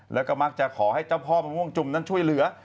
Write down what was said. แล้วก็มักจะขอให้เจ้าพ่อมะม่วงจุ่มนั้นช่วยเหลือ